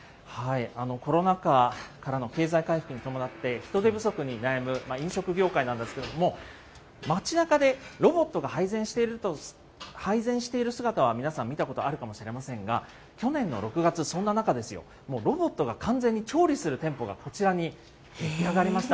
コロナ禍からの経済回復に伴って、人手不足に悩む飲食業界なんですけれども、街なかでロボットが配膳している姿は皆さん見たことあるかもしれませんが、去年の６月、そんな中ですよ、もうロボットが完全に調理する店舗がこちらに出来上がりました。